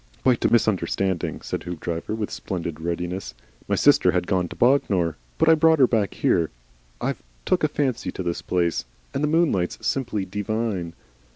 "Quite a misunderstanding," said Hoopdriver, with splendid readiness. "My sister had gone to Bognor But I brought her back here. I've took a fancy to this place. And the moonlight's simply dee vine."